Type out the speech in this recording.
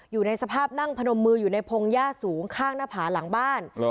อยู่ในสภาพนั่งพนมมืออยู่ในพงหญ้าสูงข้างหน้าผาหลังบ้าน